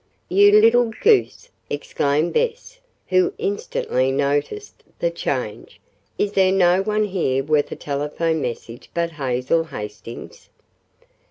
"You little goose!" exclaimed Bess, who instantly noticed the change. "Is there no one here worth a telephone message but Hazel Hastings?"